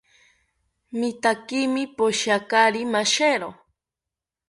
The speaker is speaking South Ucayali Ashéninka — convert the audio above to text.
Mitaakimi poshiakari mashero